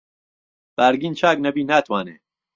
بارگین چاک نهبی ناتوانێ